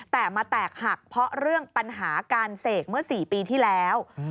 แต่มาแตกหักเพราะเรื่องปัญหาการเสกเมื่อ๔ปีที่แล้ว